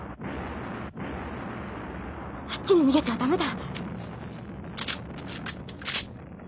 あっちに逃げてはダメだ。